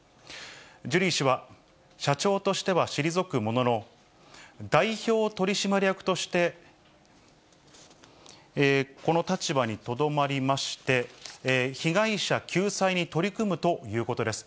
ジュリー氏は、社長としては退くものの、代表取締役として、この立場にとどまりまして、被害者救済に取り組むということです。